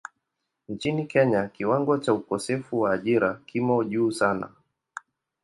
Nchini Kenya kiwango cha ukosefu wa ajira kimo juu sana.